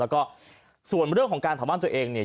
แล้วก็ส่วนเรื่องของการเผาบ้านตัวเองเนี่ย